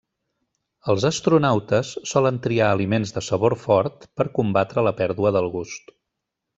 Els astronautes solen triar aliments de sabor fort per combatre la pèrdua del gust.